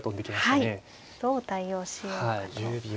どう対応しようかと。